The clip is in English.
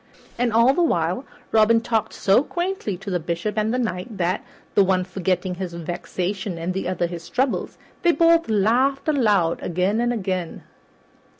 And all the while Robin talked so quaintly to the Bishop and the Knight that, the one forgetting his vexation and the other his troubles, they both laughed aloud again and again.